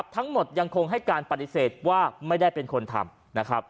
ทั้งหมดยังคงให้การปฏิเสธว่าไม่ได้เป็นคนทำนะครับ